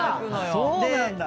そうなんだ！